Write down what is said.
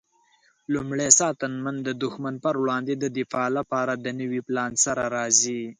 لومړی ساتنمن د دښمن پر وړاندې د دفاع لپاره د نوي پلان سره راځي.